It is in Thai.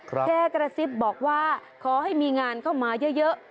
แค่กระซิบบอกว่าขอให้มีงานเข้ามาเยอะ